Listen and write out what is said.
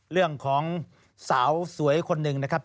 เรื่องของสาวสวยคนหนึ่งนะครับ